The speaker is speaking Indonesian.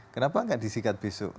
kenapa tidak disikat besok